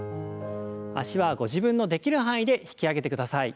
脚はご自分のできる範囲で引き上げてください。